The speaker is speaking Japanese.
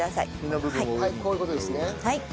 こういう事ですね。